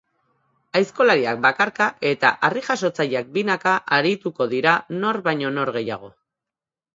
Aizkolariak bakarka eta harrijasotzaileak binaka arituko dira nor baino nor gehiago.